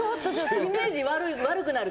イメージ悪くなる。